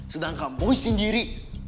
sedangkan boy sendiri